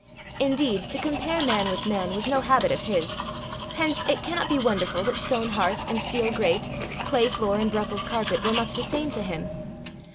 Indeed, to compare man with man was no habit of his; hence it cannot be wonderful that stone hearth and steel grate, clay floor and Brussels carpet were much the same to him.